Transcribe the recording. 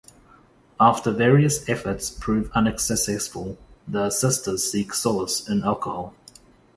After various efforts prove unsuccessful, the sisters seek solace in alcohol.